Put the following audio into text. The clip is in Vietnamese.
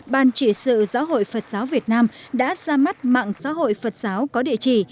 ban trị sự giáo hội phật giáo việt nam đã ra mắt mạng xã hội phật giáo có địa chỉ